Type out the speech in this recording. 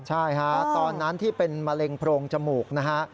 ใช่ฮะตอนนั้นที่เป็นมะเร็งโพรงจมูกนะฮะ